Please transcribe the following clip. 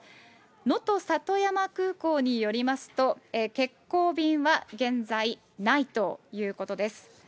能登さとやま空港によりますと、欠航便は現在ないということです。